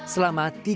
selama tiga puluh hari